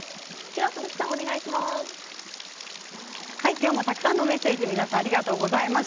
今日もたくさんのメッセージ皆さんありがとうございました。